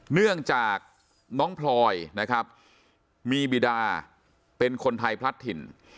เนื่องจากน้องพลอยนะครับมีบิดาเป็นคนไทยพลัดถิ่น